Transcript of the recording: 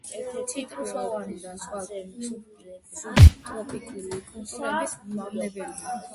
ციტრუსოვანი და სხვა სუბტროპიკული კულტურების მავნებელია.